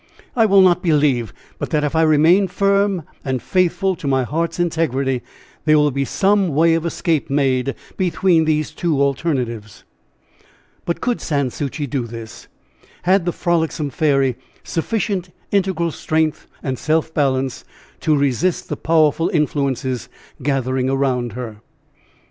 I will not believe but that if I remain firm and faithful to my heart's integrity there will be some way of escape made between these two alternatives." But could Sans Souci do this? Had the frolicsome fairy sufficient integral strength and self balance to resist the powerful influences gathering around her?